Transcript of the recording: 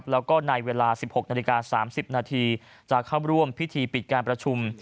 แล้วก็ในเวลา๑๖นาฬิกา๓๐นาทีจะเข้าร่วมพิธีปิดการประชุม